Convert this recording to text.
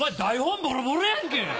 ボロボロやんけ！